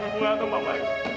aku gak tau mama